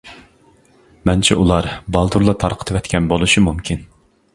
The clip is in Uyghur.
مەنچە ئۇلار بالدۇرلا تارقىتىۋەتكەن بولۇشى مۇمكىن.